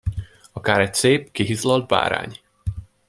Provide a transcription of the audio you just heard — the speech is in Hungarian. Akár egy szép, kihizlalt bárány!